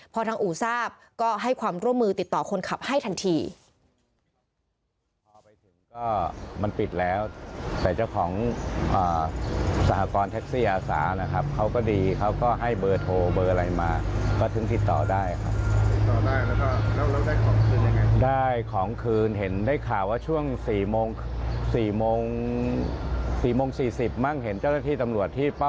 พอทางอู่ทราบก็ให้ความร่วมมือติดต่อคนขับให้ทันที